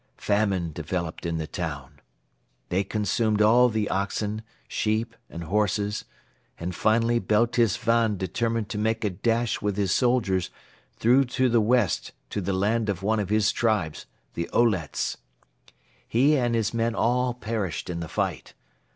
Famine developed in the town. They consumed all the oxen, sheep and horses and finally Beltis Van determined to make a dash with his soldiers through to the west to the land of one of his tribes, the Olets. He and his men all perished in the fight.